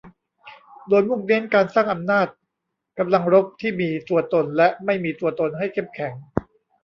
โดยมุ่งเน้นการสร้างอำนาจกำลังรบที่มีตัวตนและไม่มีตัวตนให้เข้มแข็ง